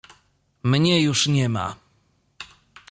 — Mnie już nie ma!